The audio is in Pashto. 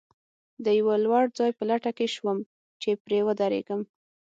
د یوه لوړ ځای په لټه کې شوم، چې پرې ودرېږم.